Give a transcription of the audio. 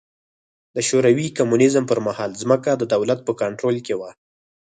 د شوروي کمونېزم پر مهال ځمکه د دولت په کنټرول کې وه.